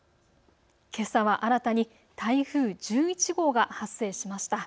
けさは新たに台風１１号が発生しました。